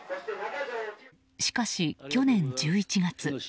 しかし、去年１１月。